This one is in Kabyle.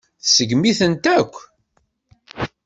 Tseggem-itent akk.